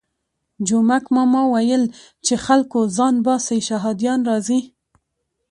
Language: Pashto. جومک ماما ویل چې خلکو ځان باسئ شهادیان راځي.